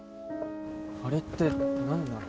あれって何なの？